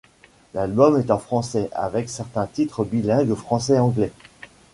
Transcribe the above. L’album est en Français, avec certains titres bilingues Français-Anglais.